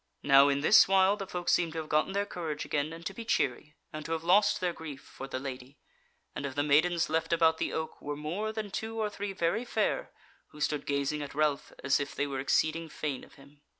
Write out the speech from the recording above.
Now in this while the folk seemed to have gotten their courage again, and to be cheery, and to have lost their grief for the Lady: and of the maidens left about the oak were more than two or three very fair, who stood gazing at Ralph as if they were exceeding fain of him.